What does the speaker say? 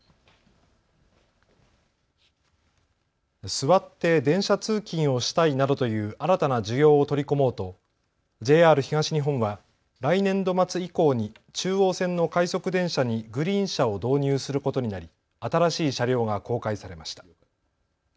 座って電車通勤をしたいなどという新たな需要を取り込もうとＪＲ東日本は来年度末以降に中央線の快速電車にグリーン車を導入することになり新しい車両が公開されました。